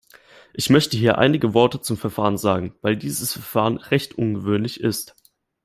Ich möchte hier einige Worte zum Verfahren sagen, weil dieses Verfahren recht ungewöhnlich ist.